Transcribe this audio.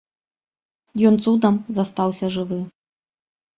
Ён цудам застаўся жывы.